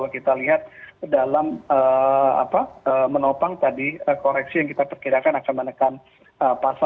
kita lihat dalam menopang tadi koreksi yang kita perkirakan akan menekan pasar